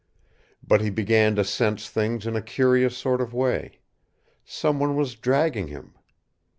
But he began to sense things in a curious sort of way. Some one was dragging him.